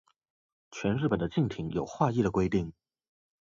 全日本的竞艇有划一的规定。